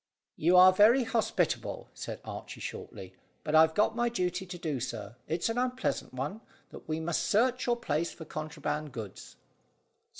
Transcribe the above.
"You are very hospitable," said Archy shortly; "but I've got my duty to do, sir. It's an unpleasant one, that we must search your place for contraband goods."